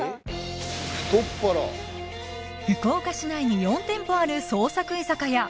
ふとっぱら福岡市内に４店舗ある創作居酒屋